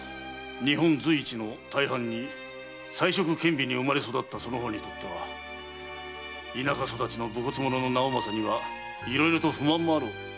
日本随一の大藩に才色兼備に生まれ育ったその方にとっては田舎育ちの無骨者の直正にはいろいろと不満もあろう。